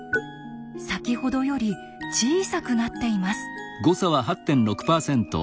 先ほどより小さくなっています。